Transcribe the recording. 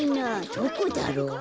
どこだろう？